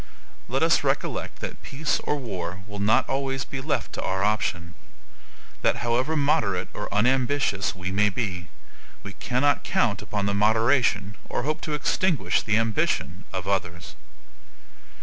Let us recollect that peace or war will not always be left to our option; that however moderate or unambitious we may be, we cannot count upon the moderation, or hope to extinguish the ambition of others.